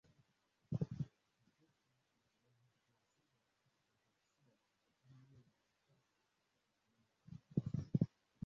Sentensi inaweza kuwa sawa kisintaksia lakini iwe na makosa ya kimantiki.